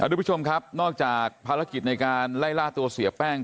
ทุกผู้ชมครับนอกจากภารกิจในการไล่ล่าตัวเสียแป้ง